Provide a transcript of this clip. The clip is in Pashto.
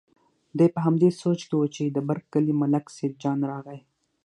دی په همدې سوچ کې و چې د بر کلي ملک سیدجان راغی.